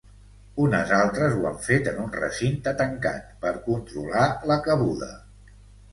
Unes altres ho han fet en un recinte tancat per controlar la cabuda.